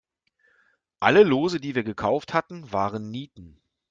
Alle Lose, die wir gekauft hatten, waren Nieten.